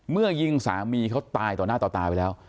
ยิงสามีเขาตายต่อหน้าต่อตาไปแล้ว